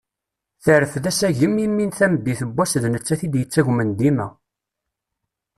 Terfed asagem imi tameddit n wass d nettat i d-yettagmen dima.